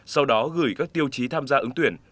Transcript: sau đó gửi các tiêu chí tham gia ứng tuyển